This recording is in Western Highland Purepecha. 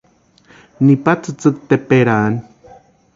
Nipa tsïtsïki tʼeparaani.